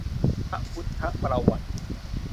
พระพุทธประวัติ